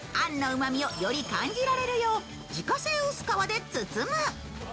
うまみをより感じられるよう自家製薄皮で包む。